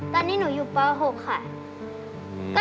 ตอนนี้หนูอยู่ป๖ค่ะ